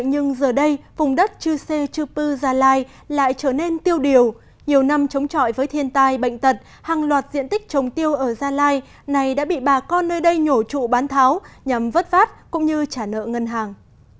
huyện chư sê chư pư gia lai lại trở nên tiêu điều nhiều năm chống trọi với thiên tai bệnh tật hàng loạt diện tích trồng tiêu ở gia lai này đã bị bà con nơi đây nhổ trụ bán tháo nhằm vất vát cũng như trả nợ ngân hàng